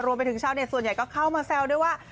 รวมไปถึงชาวเน็ตส่วนใหญ่ก็เข้ามาแซวด้วยว่า